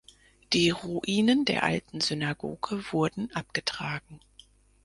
Die Ruinen der alten Synagoge wurden abgetragen.